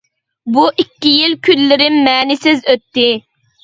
بۇ ئىككى يىل كۈنلىرىم مەنىسىز ئۆتتى.